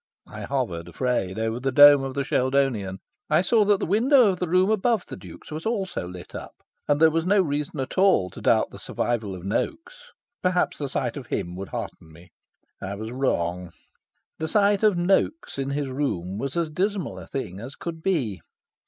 I hovered, afraid, over the dome of the Sheldonian. I saw that the window of the room above the Duke's was also lit up. And there was no reason at all to doubt the survival of Noaks. Perhaps the sight of him would hearten me. I was wrong. The sight of Noaks in his room was as dismal a thing as could be.